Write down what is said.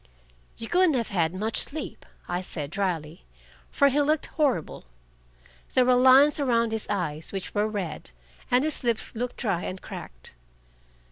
"You couldn't have had much sleep," I said dryly. For he looked horrible. There were lines around his eyes, which were red, and his lips looked dry and cracked.